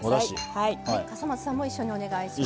笠松さんも一緒にお願いします。